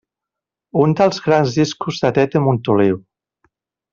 Un dels grans discos de Tete Montoliu.